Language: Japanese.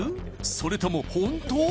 それとも本当？